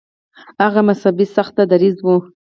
هغه مذهبي سخت دریځه و.